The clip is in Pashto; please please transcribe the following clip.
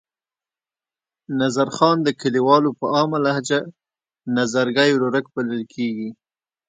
نظرخان د کلیوالو په عامه لهجه نظرګي ورورک بلل کېږي.